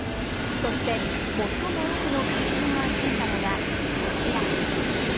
そして、最も多くの関心を集めたのがこちら。